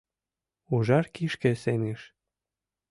Ужар кишке сеҥыш...